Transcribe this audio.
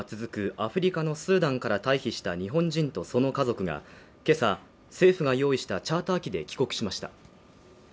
アフリカのスーダンから退避した日本人とその家族が、今朝政府が用意したチャーター機で帰国しました。